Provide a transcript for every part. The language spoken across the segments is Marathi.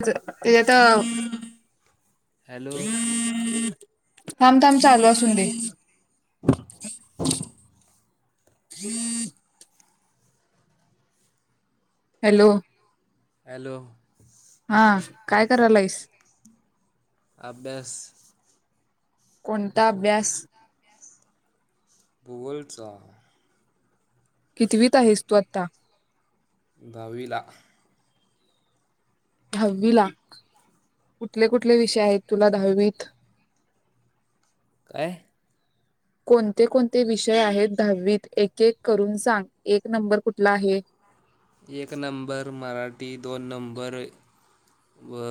अस तेआता हॅलो थाम थाम चालू असून दे. [inaudible] हॅलो. हॅलो. हा काय करायलाईस? अभ्यास. कोणता अभ्यास? भूगोलचा कितवीत आहेस तू आता? दहावीला. दहावी ला कुठले कुठले विषय आहेत तुला दहावीत. काय? कोणते कोणते विषय आहेत दहावीत? एक एक करून सांग एक नंबर कुठला आहे? एक नंबर मराठी दोन नंबर व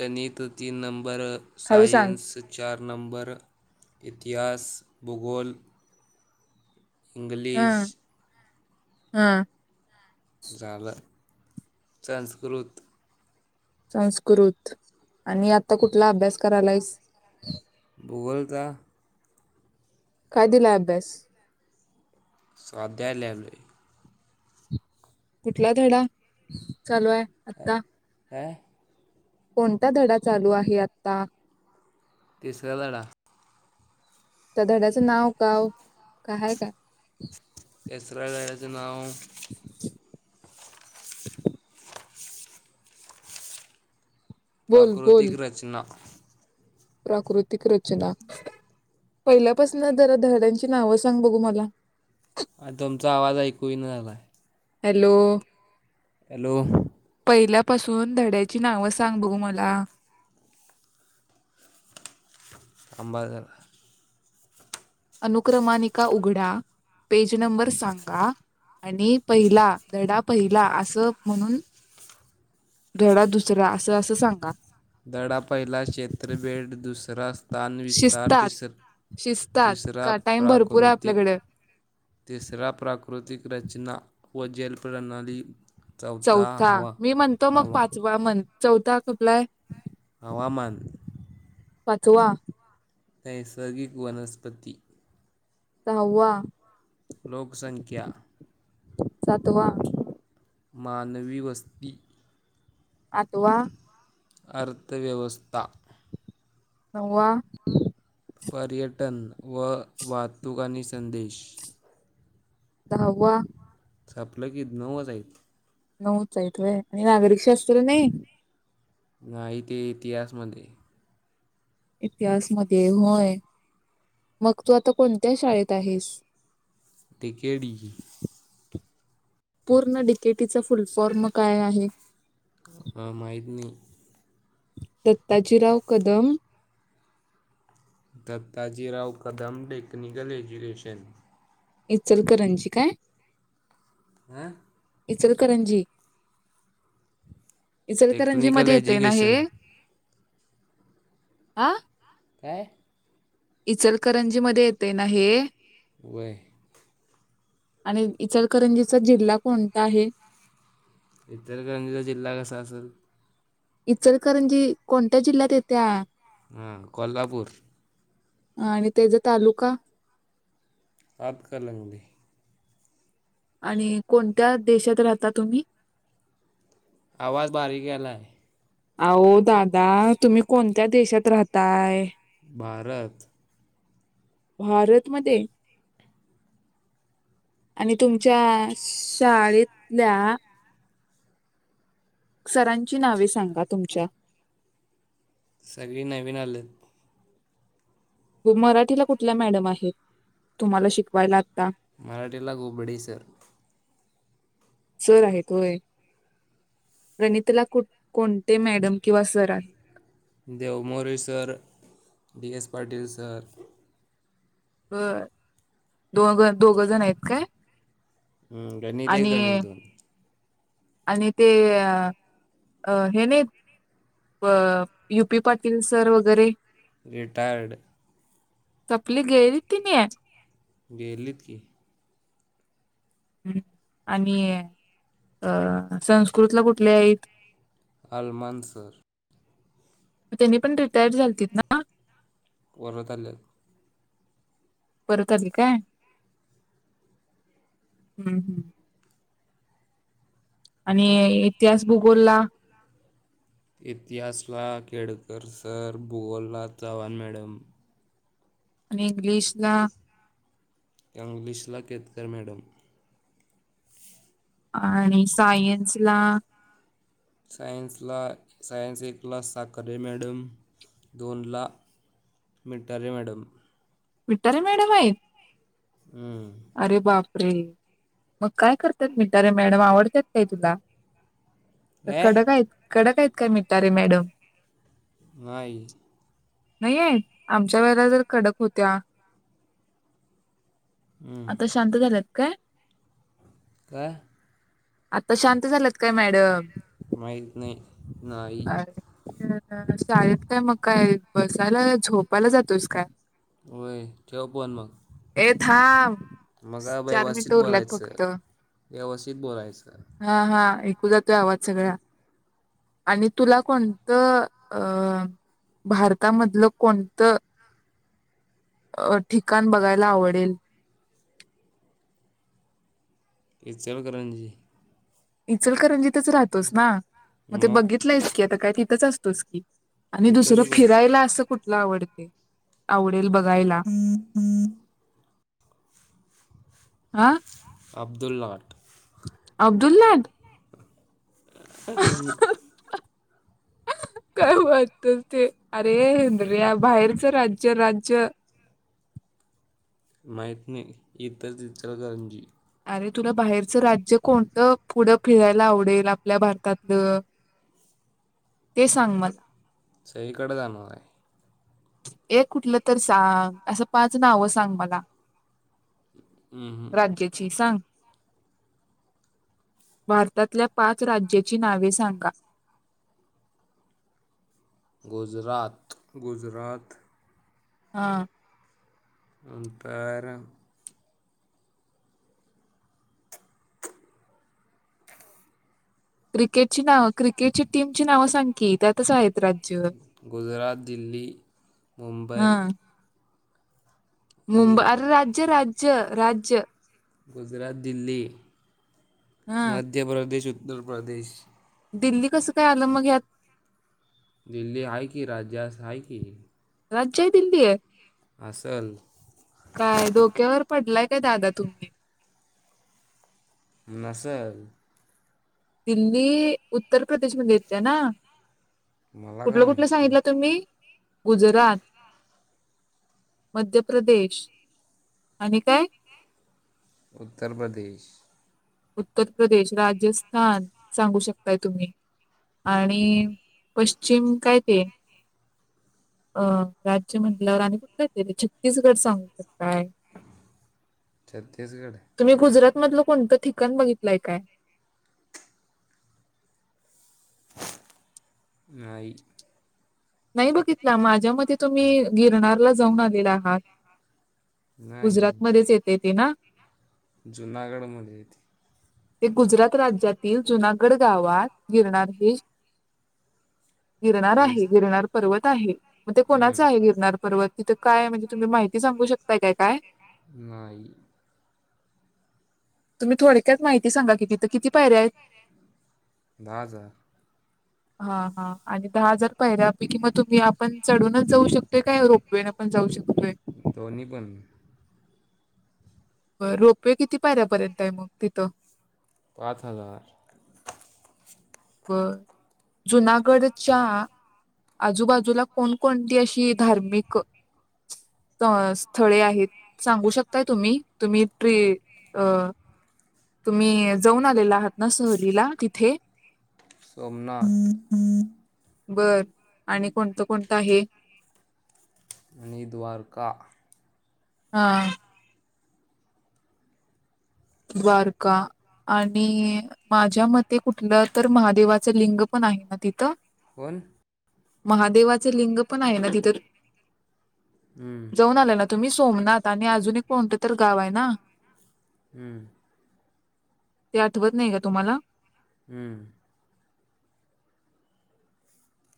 गणित तीन नंबर हळू सांग सायन्स चार नंबर इतिहास, भूगोल इंग्लिश. हा. झालं संस्कृत संस्कृत आणि आता कुठला अभ्यास करायलायस? भूगोलाचा काय दिलाय अभ्यास? साध्याय ल्यालोय. कुठला धडा चालू आहे आता? काय कोणता धडा चालू आहे आता? तिसरा धडा. त्या धड्याचं नाव गाव आहे काय? [unintelligible] नाव [inaudible] बोल बोल प्राकृतिक रचना. प्राकृतिक रचना पहिल्यापासून जरा धडयाची नावं सांग बघू मला आ तुमचा आवाज ऐकू ना झालाय हॅलो हॅलो पहिल्या पाासून धड्याची नावं सांग बघू मला थांब जरा अनुक्रमानिका उघडा पेज नंबर सांगा आणि पहिला धडा पहिला असं म्हणून धडा दुसरा असं असं सांगा डा पहिला चषेत्रबेट दुस रस् [unintelligible] स्थानविस्तार शिस्तात तिस शिस्तात तिसरा का टाइम भरपूर आहे प्राकृतिक आपल्याकडे तिसरा प्राकृतिक रचना व जेल प्रणाली चौथा मी म्हणतो मग पाचवा म्हण. चौथा कुठंलाय. हवामान. पाचवा. नैसर्गिक वनस्पती. सहावा. लोकसंख्या. सातवा. मानवी वस्ती. आठवा. अर्थव्यवस्था. नववा पर्यटन व वाहतूकनी संदेश दहावा. सपलं की नवूच हाईत. नऊच हाईत होय नागरिकशास्त्र नाही. नाही ते इतिहासमध्ये इतिहासमध्ये होय मग तू आता कोणत्या शाळेत आहेस? डीकेडी. पूर्ण डिकेटीचा फुलफॉर्म काय आहे. माहितनाही. दत्ताजीराव कदम- दत्ताजीराव कदम टेक्निकल एज्युकेशन इचलकरंजी काय हम इजतकरजी इचल का रणजी टेक्निकल मध्ये येते ना हे एज्युकेशन आा का इचलकरंजी मध्ये येते ना हे वे आणि इचलकरंजीचा जिल्हा कोणता आहे इतर ग्रांधीचा जिल्हा कसा असेल इचलकरंजी कोणत्या जिल्ह्यात येत्या ह कोल्हापूर आणि त्याचा तालुका आप कर लवगे आणि कोणत्या देशात राहता तुम्ही आवाज बारीक आलाय अह दादा तुम्ही कोणत्या देशात राहताय भारत भारतमध्ये आणि तुमच्या शाळेतल्या सरांची नावे सांगा तुमच्या सगळी नवीन आलेत मराठीला कुठल्या मॅडम आहेत तुम्हाला शिकवायला आता मराठीला गऊबडी सर सर आहेत होय रणताला कु कोणते मॅडम किंवा सर आहे Dev Maurya sir D S Patil sir ब दोन दोघ जण आहेत काय हम्म, गणित एक आणि गणित दोन. आणि ते अ.. अ.. हे नाहीत अ युपी पाटील सर वगैरे, रिटार्यड. चपली गेली की ती. गेलीत की, हम् आणि अ संस्कृतला कुठले आहेत. अलमानसर त्यांनी पण रिटायर झालतीत ना, [inaudible] परत आली का, हम् हम्.. आणि इतिहास भूगोलला. इतिहासला केळकर सर, भुगोलला चव्हाण मॅडम. आणि इंग्लिश ला, इंग्लिशला केतकर मॅडम. आणि सायन्स ला, सायन्सला सायन्स एकलासाखरे मॅडम, दोनला मिटारे मॅडम. विठारे मॅडम आहे. हम्म. अरे बाप! रे मग काय करतात. मिटारे मॅडम आवडतात काय तुला? ए कडक आहेत. कडक हायत काय मिटणार रे मॅडम. नाही. नाही आहेत आमच्या वेळेला जर कडक होत त्या. हम्म. आता शांत झालेत. काय... काय... आता शांत झालेत, काय मॅडम. माहीत नाही, नाही अ शळेत काय मग काय, बसायला झोपायला जातोस काय? होय ठेव फोन मग.. ए थांब.. मग काय चार मिनट व्यवस्थित उरलेत बोलायचं फक्त व्यवस्थित बोलायचं, हा हा ऐकू जातोय आवाज सगळ्या आणि तुला कोणतं अं भारतामधलं कोणतं, अ ठिकाण बघायला आवडेल. इचलकरंनजी इचलकरणंजितच राहतोस ना, मग ते बघितलंयच की आता काय तिथंच असतोस की, आणि दुसरं तिथंच बस फिरायला असं कुठ आवडते आवड बघायला आ अब्दुललाट अब्दुलला ह् काय वाटत ते अरे इंद्रिया बाहेरचं राज्य राज्य माहित नाही इथ इचलकनरंजी अरे तुला बाहेरचं राज्य कोणतं पुढं फिरायला आवडेल आपल्या भारतातलं ते सांग मला सगळीकडे जाणार आहे एक कुठलं तर सांग असं पाच नाव सांग मला हम्म. राज्याची सांग भारतातल्या पाच राज्याची नावे सांगा गुजरात गुजरात हा नंतर क्रिकेटची नाव क्रिकेटची टीमची नावं सांग की त्यातच आहेत राज्य गुजरात दिल्ली मुंबई मुंब आणि अर राज्य राज राज्य राज्य गुजरात दिल्ली हा मध्य प्रदेश उत्तर उत्तर प्रदेश दिल्ली कसं काय आलं मग यात दिल्ली आहे की राज्यास आहे की राज्य दिल्ली आहेे असल काय डोक्यावर पडलाय [inaudible] दादा तुम्ही. नसेल. दिल्ली उत्तर प्रदेशमध्ये येते ना? मला कुठलं काय कुठलं सांगितलं माहित तुम्ही? गुजरात, मध्य प्रदेश आणि काय? उत्तर प्रदेश. उत्तर प्रदेश, राजस्थान सांगू शकताय तुम्ही आणि पश्चिम काय ते अं राज्य म्हटल्यावर आणि कुठलं ते छत्तीसगड सांगू शकताय. छत् त्तीसगड मधलं कोणतं ठिकाण बघितलंय काय? नाही. नाही बघितलं माझ्या मते तुम्ही गिरनारला जाऊन आलेला आहात. नाही गुजरातमध्येच येतंय ते ना? जुनागड मध्येे. ते गुजरात राज्यातील जुनागड गावात गिरणार हे गिरणार तेच आहे. गिरनार पर्वत आहे मग ते हम्म. कोणाचं आहे गिरनार पर्वत? तिथं काय हाय म्हणजे तुम्ही माहिती सांगू शकताय काय काय? नाही. तुम्ही थोडक्यात माहित सांगा कि तिथं किती पायऱ्या आहेत? दहा हजार. हा हा आणि दहा हजार पायऱ्यापैकी मग तुम्ही आपण चढूनच जाऊ शक तोय काय रोपवेनं पण जाऊ शकतोय? दोन्ही पण रोपवे किती पायऱ्यापर्यंत आहे मग तिथं? पाच हजार. बर जुनागडच्या आजूबाजूला कोणकोणती अशी धार्मिक अ स्थळे आहेत सांगू शकताय तुम्ही? तुम्ही ट्री अ तुम्ही जाऊन आलेला आहात? न सहलीला तिथे. सोमनाथ. बरं आणि कोणतं कोणतं आहे? आणि द्वारका. हा. द्वारका आणि माझ्या मते कुठलं तर महादेवाचं लिंग पण आहे ना तिथं? कोण? महादेवाचे लिंग पण आहे ना तिथं? हम्म. जाऊन आला ना तुम्ही सोमनाथ आणि अजून एक कोणतं तर गाव आहे ना? हम्म. ते आठवत नाही का तुम्हाला? हम्म.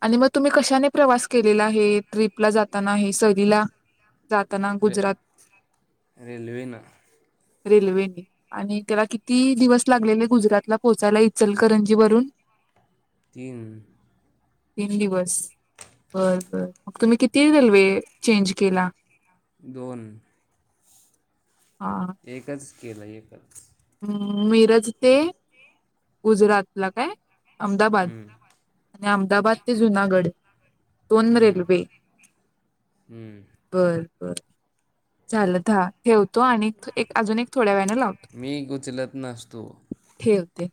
आणि मग तुम्ही कशाने प्रवास केलेला हे ट्रिपला जाताना हे सहलीला? जाताना रे गुजरात रेल्वेने रेल्वेने आणि त्याला किती दिवस लागलेले गुजरातला पोहोचायला इचलकरंजीवरून? तीन. तीन दिवस बरं बरं मग तुम्ही किती रल्वे चेंज केला? दोन. हा एकच केलं एकच मिरज ते गुजरातला काय? अहमदाबाद. हम्म, अहमदाबाद ते जुनागढ. दोन हम्म, रेल्वे हम्म. बरं. बर झालं दहा. ठेवतो आणि एक अजून एक थोड्या वेळाने लावतो. मी उचलत नसतो. ठेवते.